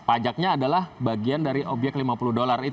pajaknya adalah bagian dari obyek lima puluh dolar